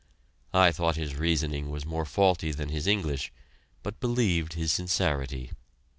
I thought his reasoning was more faulty than his English, but believed in his sincerity.